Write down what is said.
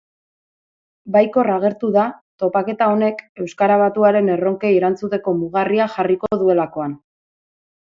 Baikor agertu da topaketa honek euskara batuaren erronkei erantzuteko mugarria jarriko duelakoan.